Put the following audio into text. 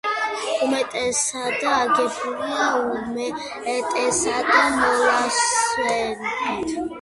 უმეტესად აგებულია უმეტესად მოლასებით.